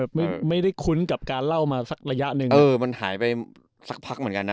ไม่ได้คุ้นกับการเล่ามาสักระยะหนึ่งเออมันหายไปสักพักเหมือนกันนะ